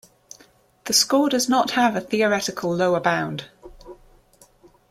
The score does not have a theoretical lower bound.